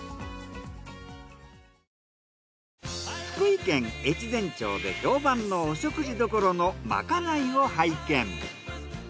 福井県越前町で評判のお食事処のまかないを拝見。